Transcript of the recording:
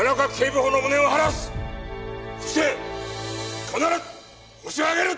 そして必ずホシを挙げる！